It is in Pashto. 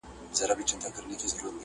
چي پاچا سو انتخاب فیصله وسوه٫